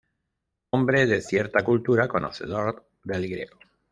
Hombre de cierta cultura, conocedor del griego.